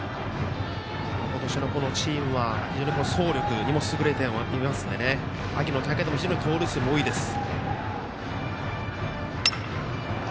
今年のこのチームは非常に走力にも優れていますので秋の大会でも盗塁数が多いです。